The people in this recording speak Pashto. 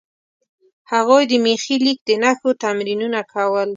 هغوی د میخي لیک د نښو تمرینونه کول.